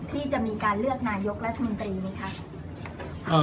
ที่จะมีการเลือกนายกรัฐมนตรีไหมคะ